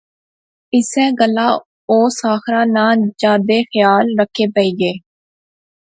اسے گلاہ او ساحرہ ناں جادے خیال رکھے پئی گے